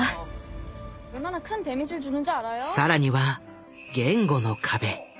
更には言語の壁。